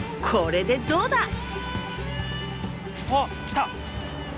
これでどうだ？